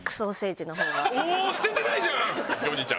お捨ててないじゃん！